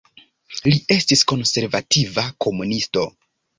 Li estis konservativa komunisto.